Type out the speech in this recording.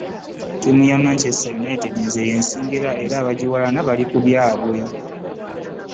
Ttiimu ya Manchester United nze y'ensingira, era abagiwalana bali ku byabwe.